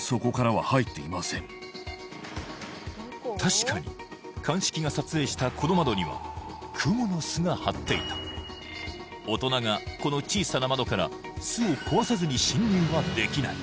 確かに鑑識が撮影したこの窓にはクモの巣が張っていた大人がこの小さな窓から巣を壊さずに侵入はできない